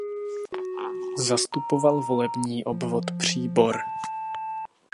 Zastupoval volební obvod Příbor.